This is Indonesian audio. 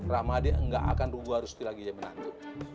ramadi nggak akan ruguh harus dia lagi yang menanggung